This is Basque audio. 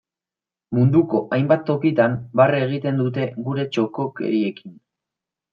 Munduko hainbat tokitan, barre egiten dute gure txokokeriekin.